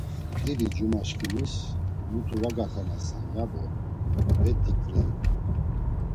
Didicumaşǩimis muti va gaxenasen, yado bet̆i ǩriyu.